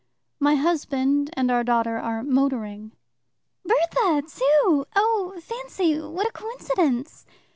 "My husband and our daughter are motoring." "Bertha too? Oh, fancy, what a coincidence!"